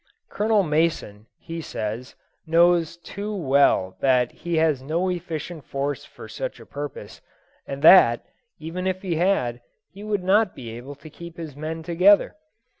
Colonel Mason, he says, knows too well that he has no efficient force for such a purpose, and that, even if he had, he would not be able to keep his men together.